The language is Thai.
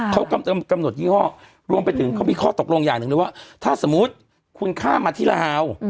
เขากำหนดยี่ห้อรวมไปถึงเขามีข้อตกลงอย่างหนึ่งเลยว่าถ้าสมมุติคุณข้ามมาที่ลาว